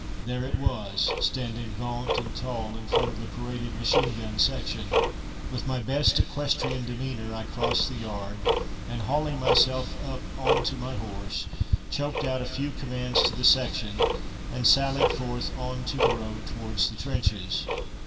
There it was, standing gaunt and tall in front of the paraded machine gun section. With my best equestrian demeanour I crossed the yard, and hauling myself up on to my horse, choked out a few commands to the section, and sallied forth on to the road towards the trenches.